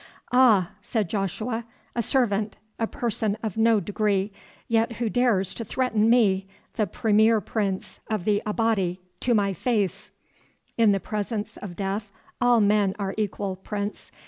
"Ah!" said Joshua, "a servant, a person of no degree, who yet dares to threaten me, the premier prince of the Abati, to my face." "In the presence of death all men are equal, Prince.